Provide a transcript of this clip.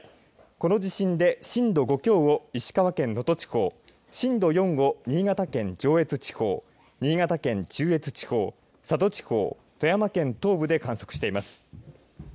この地震で震度５強を石川県能登地方、震度４を新潟県上越地方、新潟県中越地方、佐渡地方、富山県東部で観測しています。